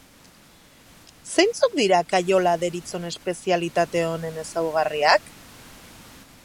Zeintzuk dira kaiola deritzon espezialitate honen ezaugarriak?